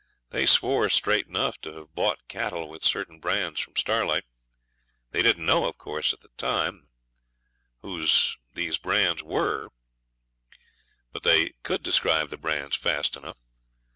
They swore straight enough to having bought cattle with certain brands from Starlight. They didn't know, of course, at the time whose they were, but they could describe the brands fast enough.